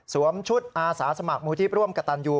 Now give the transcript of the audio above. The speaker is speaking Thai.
สวมชุดอาสาสมัครมูลทีพร่วมกัตตันอยู่